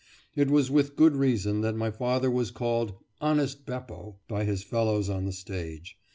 It was with good reason that my father was called "Honest Beppo" by his fellows on the stage.